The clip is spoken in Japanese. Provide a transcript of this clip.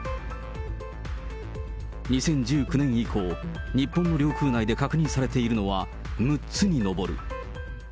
２０１９年以降、日本の領空内で確認されているのは６つに上る。